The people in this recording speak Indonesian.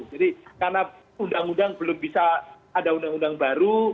jadi karena undang undang belum bisa ada undang undang baru